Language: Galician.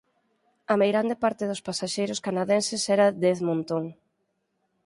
A meirande parte dos pasaxeiros canadenses eran de Edmonton.